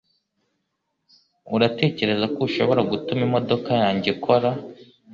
Uratekereza ko ushobora gutuma imodoka yanjye ikora?